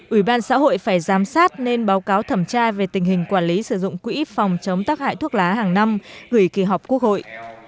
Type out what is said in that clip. ủy ban xã hội phải giám sát nên báo cáo thẩm tra về tình hình quản lý sử dụng quỹ phòng chống tác hại thuốc lá hàng năm gửi kỳ họp quốc hội